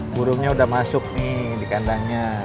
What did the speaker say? burungnya udah masuk nih di kandangnya